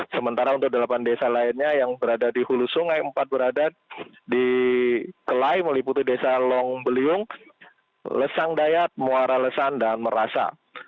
sementara untuk delapan desa lainnya yang berada di hulu sungai empat berada di kelai meliputi desa long beliung lesang dayat muara lesan dan merasa